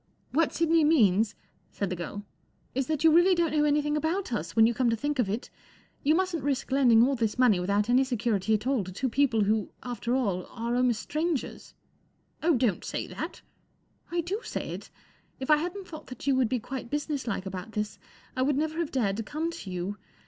44 What Sidney means," said the girl, 44 is that you really don't know anything about us, when you come to think of it. You mustn't risk lending all this money without any security at all to two people who, after all, are almost strangers." 44 Oh, don't say that !" 44 I do say it. If I hadn t thought that you would be quite businesslike about this, I would never have dared to come to you.